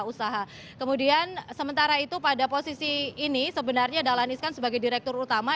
usaha kemudian sementara itu pada posisi ini sebenarnya dahlan iskan sebagai direktur utama